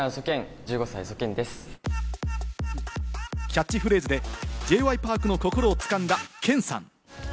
キャッチフレーズでＪ．Ｙ．Ｐａｒｋの心を掴んだケンさん。